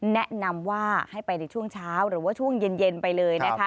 แนะนำว่าให้ไปในช่วงเช้าหรือว่าช่วงเย็นไปเลยนะคะ